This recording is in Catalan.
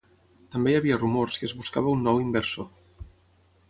També hi havia rumors que es buscava un nou inversor.